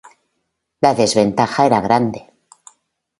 La desventaja era grande.